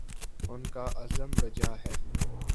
ان کا عزم بجا ہے۔